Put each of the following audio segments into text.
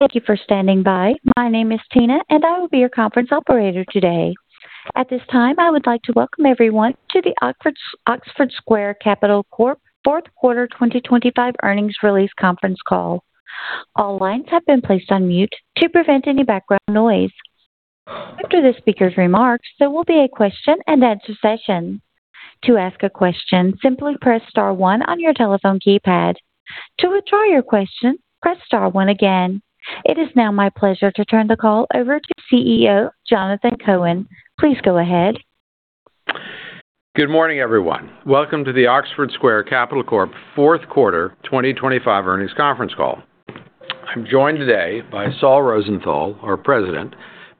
Thank you for standing by. My name is Tina, and I will be your conference operator today. At this time, I would like to welcome everyone to the Oxford Square Capital Corp fourth quarter 2025 earnings release conference call. All lines have been placed on mute to prevent any background noise. After the speaker's remarks, there will be a question-and-answer session. To ask a question, simply press star one on your telephone keypad. To withdraw your question, press star one again. It is now my pleasure to turn the call over to CEO, Jonathan Cohen. Please go ahead. Good morning, everyone. Welcome to the Oxford Square Capital Corp fourth quarter 2025 earnings conference call. I'm joined today by Sol Rosenthal, our President,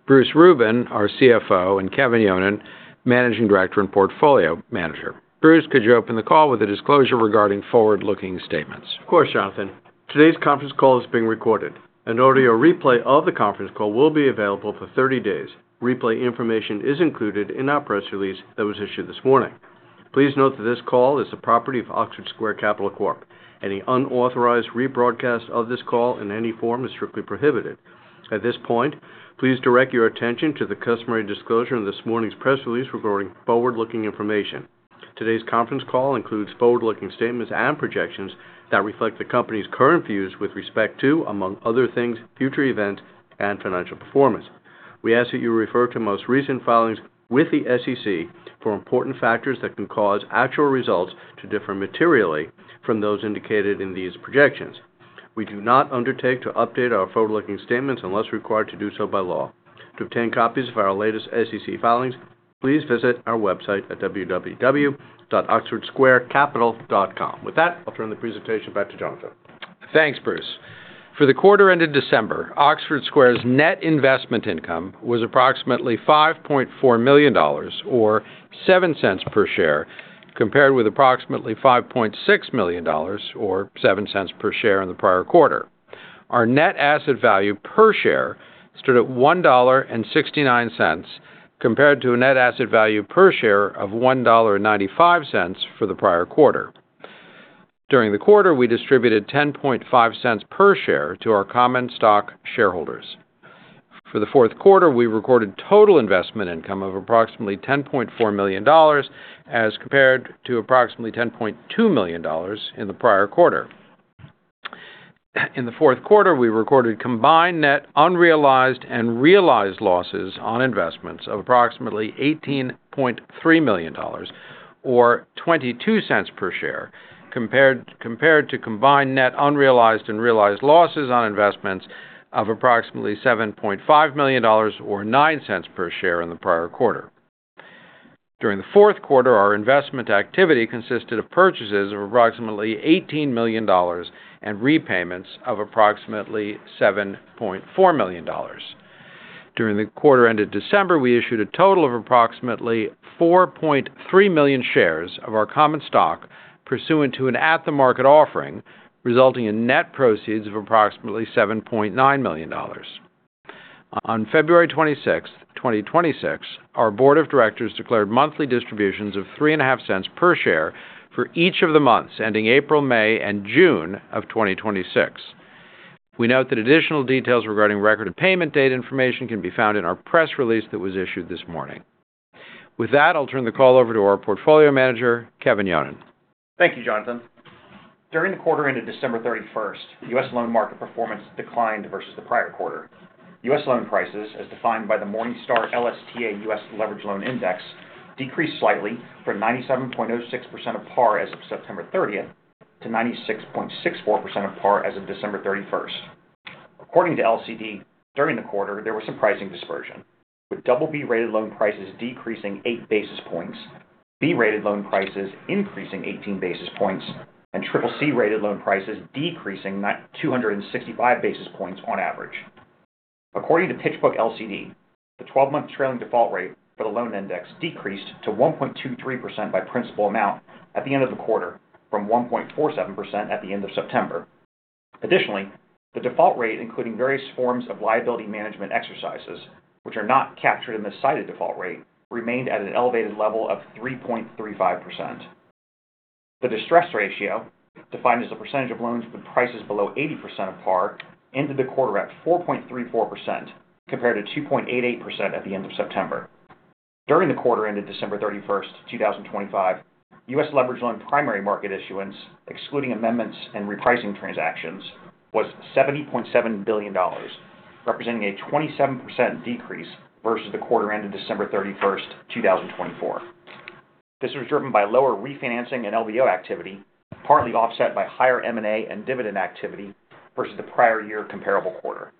Bruce Rubin, our CFO, and Kevin Yonan, Managing Director and Portfolio Manager. Bruce, could you open the call with a disclosure regarding forward-looking statements? Of course, Jonathan. Today's conference call is being recorded. An audio replay of the conference call will be available for 30 days. Replay information is included in our press release that was issued this morning. Please note that this call is the property of Oxford Square Capital Corp. Any unauthorized rebroadcast of this call in any form is strictly prohibited. At this point, please direct your attention to the customary disclosure in this morning's press release regarding forward-looking information. Today's conference call includes forward-looking statements and projections that reflect the company's current views with respect to, among other things, future events and financial performance. We ask that you refer to most recent filings with the SEC for important factors that can cause actual results to differ materially from those indicated in these projections. We do not undertake to update our forward-looking statements unless required to do so by law. To obtain copies of our latest SEC filings, please visit our website at www.oxfordsquarecapital.com. With that, I'll turn the presentation back to Jonathan. Thanks, Bruce. For the quarter ended December, Oxford Square's net investment income was approximately $5.4 million or $0.07 per share, compared with approximately $5.6 million or $0.07 per share in the prior quarter. Our net asset value per share stood at $1.69 compared to a net asset value per share of $1.95 for the prior quarter. During the quarter, we distributed $0.105 per share to our common stock shareholders. For the fourth quarter, we recorded total investment income of approximately $10.4 million as compared to approximately $10.2 million in the prior quarter. In the fourth quarter, we recorded combined net unrealized and realized losses on investments of approximately $18.3 million or $0.22 per share, compared to combined net unrealized and realized losses on investments of approximately $7.5 million or $0.09 per share in the prior quarter. During the fourth quarter, our investment activity consisted of purchases of approximately $18 million and repayments of approximately $7.4 million. During the quarter ended December, we issued a total of approximately 4.3 million shares of our common stock pursuant to an at-the-market offering, resulting in net proceeds of approximately $7.9 million. On February 26, 2026, our board of directors declared monthly distributions of $0.035 per share for each of the months ending April, May, and June of 2026. We note that additional details regarding record and payment date information can be found in our press release that was issued this morning. With that, I'll turn the call over to our Portfolio Manager, Kevin Yonon. Thank you, Jonathan. During the quarter ended December 31st, U.S. loan market performance declined versus the prior quarter. U.S. loan prices, as defined by the Morningstar LSTA US Leveraged Loan Index, decreased slightly from 97.06% of par as of September 30th to 96.64% of par as of December 31st. According to LCD, during the quarter, there was some pricing dispersion, with double-B-rated loan prices decreasing 8 basis points, B-rated loan prices increasing 18 basis points, and triple-C-rated loan prices decreasing 265 basis points on average. According to PitchBook LCD, the 12-month trailing default rate for the loan index decreased to 1.23% by principal amount at the end of the quarter from 1.47% at the end of September. Additionally, the default rate, including various forms of liability management exercises, which are not captured in the cited default rate, remained at an elevated level of 3.35%. The distress ratio, defined as a percentage of loans with prices below 80% of par, ended the quarter at 4.34%, compared to 2.88% at the end of September. During the quarter ended December 31, 2025, U.S. leverage loan primary market issuance, excluding amendments and repricing transactions, was $70.7 billion, representing a 27% decrease versus the quarter ended December 31st, 2024. This was driven by lower refinancing and LBO activity, partly offset by higher M&A and dividend activity versus the prior year comparable quarter.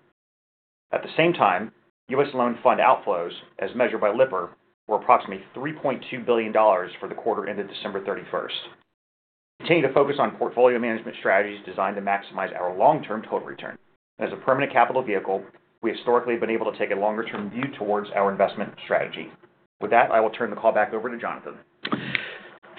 At the same time, U.S. loan fund outflows, as measured by Lipper, were approximately $3.2 billion for the quarter ended December 31st. We continue to focus on portfolio management strategies designed to maximize our long-term total return. As a permanent capital vehicle, we historically have been able to take a longer-term view towards our investment strategy. With that, I will turn the call back over to Jonathan.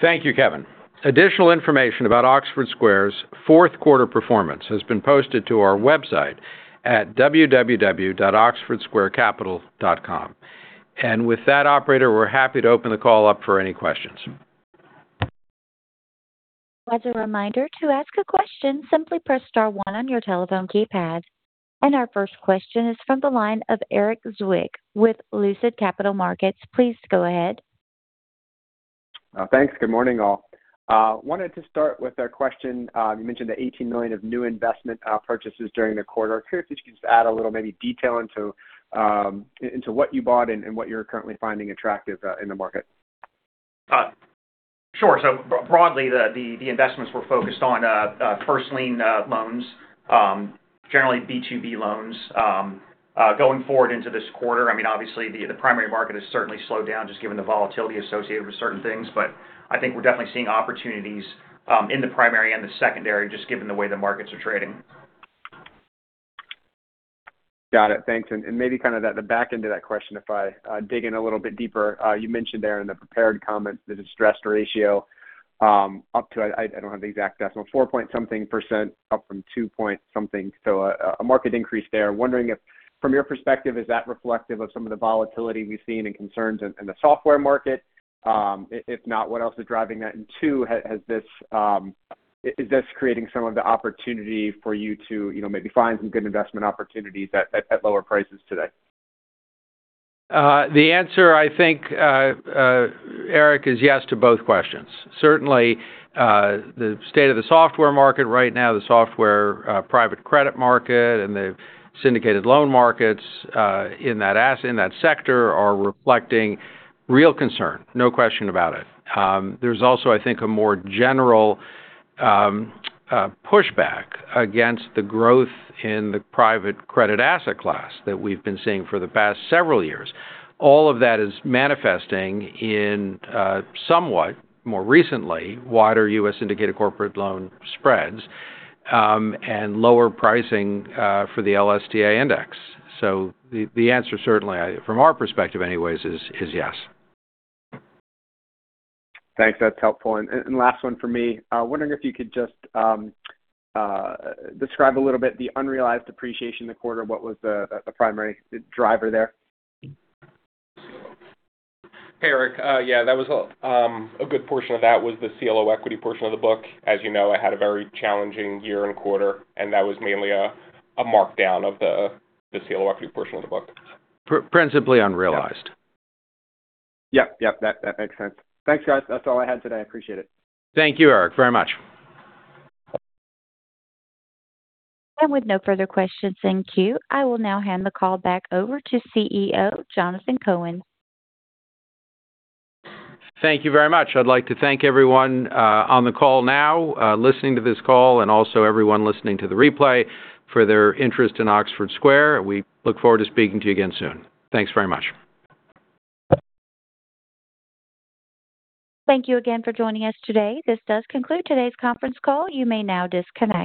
Thank you, Kevin. Additional information about Oxford Square's fourth quarter performance has been posted to our website at www.oxfordsquarecapital.com. With that, operator, we're happy to open the call up for any questions. As a reminder, to ask a question, simply press star one on your telephone keypad. Our first question is from the line of Erik Zwick with Lucid Capital Markets. Please go ahead. Thanks. Good morning, all. Wanted to start with a question. You mentioned the $18 million of new investment purchases during the quarter. I curious if you could just add a little maybe detail into what you bought and what you're currently finding attractive in the market. Sure. Broadly, the investments we're focused on, first lien loans, generally B2B loans. Going forward into this quarter, I mean, obviously the primary market has certainly slowed down just given the volatility associated with certain things. I think we're definitely seeing opportunities in the primary and the secondary, just given the way the markets are trading. Got it. Thanks. Maybe kind of the back end of that question if I dig in a little bit deeper. You mentioned there in the prepared comments the distress ratio, up to... I don't have the exact decimal, 4-point something% up from 2-point something%. A market increase there. Wondering if from your perspective is that reflective of some of the volatility we've seen and concerns in the software market? If not, what else is driving that? Two, has this, is this creating some of the opportunity for you to, you know, maybe find some good investment opportunities at lower prices today? The answer I think, Erik Zwick, is yes to both questions. Certainly, the state of the software market right now, the software, private credit market and the syndicated loan markets in that sector are reflecting real concern, no question about it. There's also, I think, a more general pushback against the growth in the private credit asset class that we've been seeing for the past several years. All of that is manifesting in somewhat more recently, wider U.S. indicated corporate loan spreads and lower pricing for the LSTA Index. The answer certainly, from our perspective anyways is yes. Thanks. That's helpful. Last one from me. Wondering if you could just describe a little bit the unrealized appreciation in the quarter. What was the primary driver there? Erik. Yeah. That was a good portion of that was the CLO equity portion of the book. As you know, it had a very challenging year and quarter, and that was mainly a markdown of the CLO equity portion of the book. Principally unrealized. Yep. Yep, that makes sense. Thanks, guys. That's all I had today. I appreciate it. Thank you, Erik, very much. With no further questions in queue, I will now hand the call back over to CEO, Jonathan Cohen. Thank you very much. I'd like to thank everyone on the call now, listening to this call and also everyone listening to the replay for their interest in Oxford Square. We look forward to speaking to you again soon. Thanks very much. Thank you again for joining us today. This does conclude today's conference call. You may now disconnect.